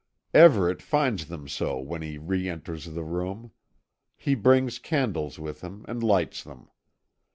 Everet finds them so when he re enters the room. He brings candles with him and lights them.